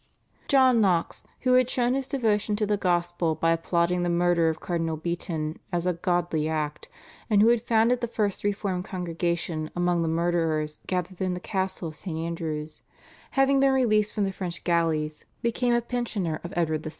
John Knox, who had shown his devotion to the Gospel by applauding the murder of Cardinal Beaton as a "godly act," and who had founded the first reformed congregation among the murderers gathered in the castle of St. Andrew's, having been released from the French galleys, became a pensioner of Edward VI.